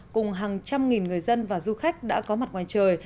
cùng hàng trăm nghìn người dân và du khách đã có mặt ngoài trời